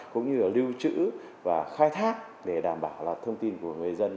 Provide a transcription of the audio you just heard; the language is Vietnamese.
cũng như là lưu trữ và khai thác để đảm bảo là thông tin của người dân